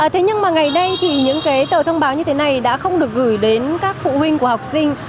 thế nhưng mà ngày đây thì những cái tờ thông báo như thế này đã không được gửi đến các phụ huynh của học sinh